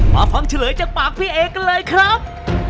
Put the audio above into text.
ฟังเฉลยจากปากพี่เอกันเลยครับ